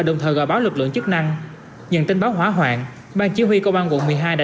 đồng thời gọi báo lực lượng chức năng nhận tin báo hỏa hoạn bang chỉ huy công an quận một mươi hai đã